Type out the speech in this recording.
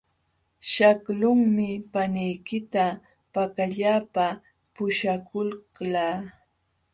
Shaqlunmi paniykita pakallapa puśhakuqlaa.